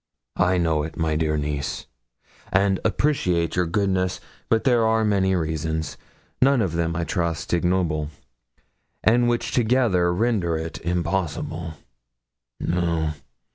'I know it, my dear niece, and appreciate your goodness; but there are many reasons none of them, I trust, ignoble and which together render it impossible. No.